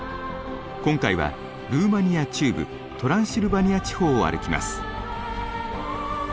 今回はルーマニア中部トランシルバニア地方を歩きます。